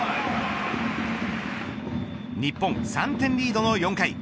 日本、３点リードの４回。